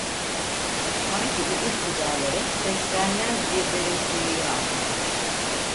Sanki bu istidaları ses vermez bir derin kuyuya atmışız…